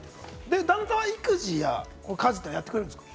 旦那は育児や家事やってくれるんですか？